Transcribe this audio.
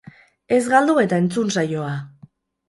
Ez galdu eta entzun saioa!